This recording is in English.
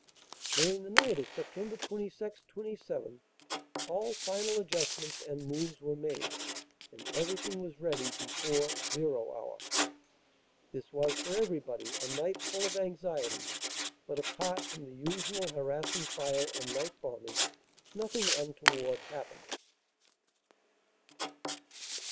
"During the night of Sept. 26 27 all final adjustments and moves were made, and everything was ready before "zero" hour. "This was for everybody a night full of anxiety, but apart from the usual harassing fire and night bombing nothing untoward happened."